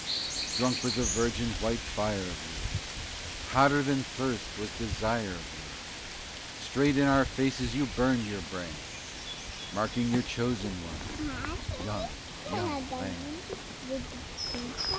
Drunk with the virgin white fire of you, Hotter than thirst was desire of you; Straight in our faces you burned your brand, Marking your chosen ones, young, young land.